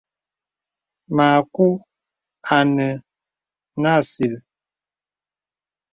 Mǎku ā nə̀ nə̀ àsìl.